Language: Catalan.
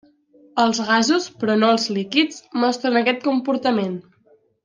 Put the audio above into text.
Els gasos, però no els líquids, mostren aquest comportament.